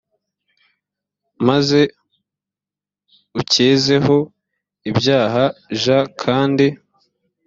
maze ucyezeho ibyaha j kandi